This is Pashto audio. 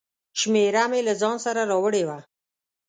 شمېره مې له ځانه سره راوړې وه.